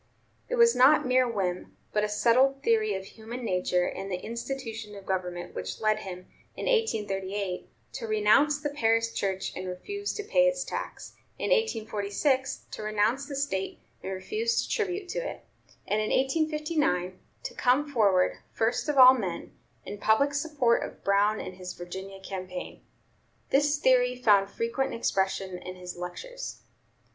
It was not mere whim, but a settled theory of human nature and the institution of government, which led him, in 1838, to renounce the parish church and refuse to pay its tax, in 1846 to renounce the State and refuse tribute to it, and in 1859 to come forward, first of all men, in public support of Brown and his Virginia campaign. This theory found frequent expression in his lectures.